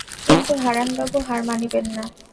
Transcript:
কিন্তু হারানবাবু হার মানিবেন না।